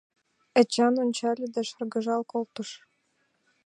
Эчан ончале да шыргыжал колтыш.